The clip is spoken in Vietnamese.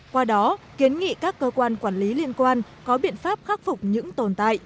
qua đó kiến nghị các cơ quan quản lý liên quan có biện pháp khắc phục những tồn tại